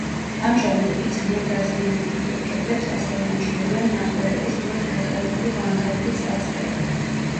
ამჟამად იგი ძლიერ დაზიანებულია, კედლებს ასევე ამჩნევია მნახველების მიერ დატოვებული ვანდალური წარწერები.